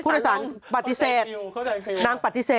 ผู้โดยสารปฏิเสธนางปฏิเสธ